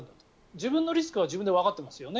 自分のリスクは自分でわかっていますよね。